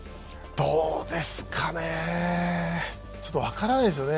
どうですかね、ちょっと分からないですよね。